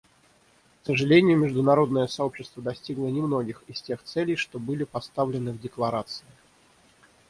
К сожалению, международное сообщество достигло немногих из тех целей, что были поставлены в Декларации.